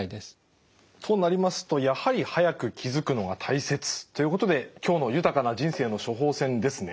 となりますとやはり早く気付くのが大切ということで今日の「豊かな人生の処方せん」ですね。